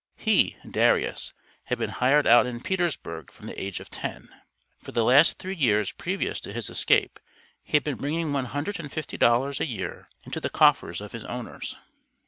He (Darius), had been hired out in Petersburg from the age of ten; for the last three years previous to his escape he had been bringing one hundred and fifty dollars a year into the coffers of his owners.